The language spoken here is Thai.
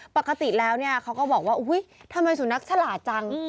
ปกติแล้วเนี่ยเขาก็บอกว่าอุ๊ยทำไมสุนัขฉลาดจัง